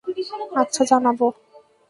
আচ্ছা, জানাবো।